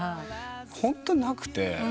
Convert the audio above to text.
ホントなくて。